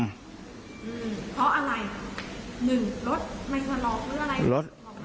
เพราะอะไร๑รถไมค์ฟอร์โลปอะไรแบบนี้